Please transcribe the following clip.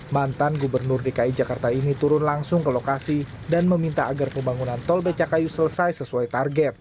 mantan gubernur dki jakarta ini turun langsung ke lokasi dan meminta agar pembangunan tol becakayu selesai sesuai target